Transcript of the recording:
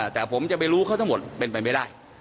แต่ผมจะไปรู้เขาทั้งหมดเป็นไปไม่ได้